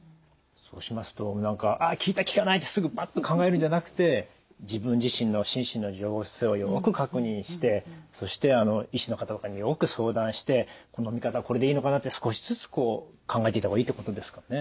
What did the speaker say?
そうしますと効いた効かないってすぐパッと考えるんじゃなくて自分自身の心身の様子をよく確認してそして医師の方とかによく相談してこの見方はこれでいいのかなって少しずつこう考えていった方がいいってことですかね？